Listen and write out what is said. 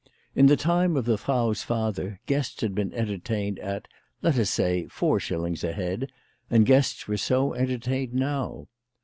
In the time of the Frau's father guests had been entertained at, let us say, four shillings a head, and guests were so entertained now.